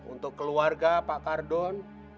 untuk keluarga pak kardun